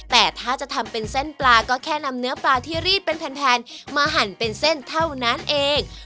แต่ถ้าจะทำเป็นเส้นปลาก็แค่นำเนื้อปลาที่รีดเป็นแผ่นมาหั่นเป็นเส้นเท่านั้นเอง